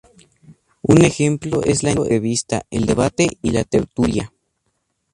Un ejemplo es la entrevista, el debate y la tertulia.